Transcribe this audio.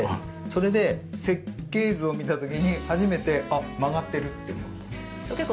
それで設計図を見た時に初めて「あっ曲がってる」って思った。